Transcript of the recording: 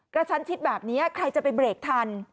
กระชันชิดแบบนี้ใครจะไปเบรกทัน